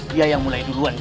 dia yang mulai duluan